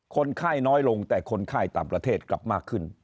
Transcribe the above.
คนไข้น้อยลงแต่คนไข้ต่างประเทศกลับมากขึ้น